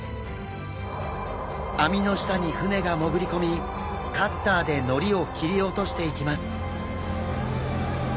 網の下に船が潜り込みカッターでのりを切り落としていきます。